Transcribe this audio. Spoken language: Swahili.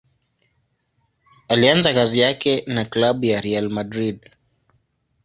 Alianza kazi yake na klabu ya Real Madrid.